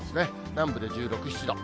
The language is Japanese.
南部で１６、７度。